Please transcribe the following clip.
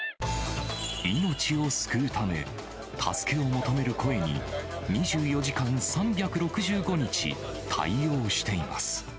命を救うため、助けを求める声に２４時間３６５日対応しています。